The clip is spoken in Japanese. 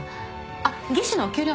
あっ技師のお給料面？